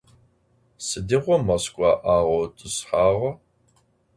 Sıdiğo Moskva ağeutsuğa?